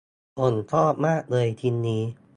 ผมชอบมากเลยชิ้นนี้